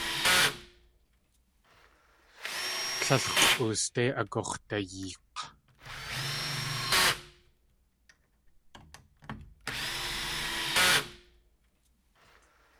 Tlél x̲ʼoosdé agux̲dayeek̲.